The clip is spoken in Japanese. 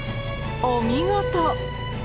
お見事！